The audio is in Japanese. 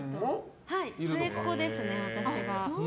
末っ子ですね、私が。